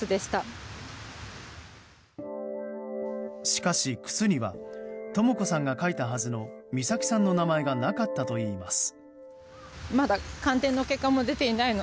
しかし靴にはとも子さんが書いたはずの美咲さんの名前がなかったといいます。